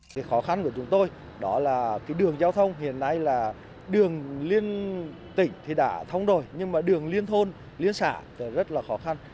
cái khó khăn của chúng tôi đó là cái đường giao thông hiện nay là đường liên tỉnh thì đã thống rồi nhưng mà đường liên thôn liên xã rất là khó khăn